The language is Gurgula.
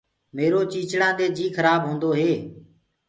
ميرو چيچڙآندي جي کرآب هوندو هي۔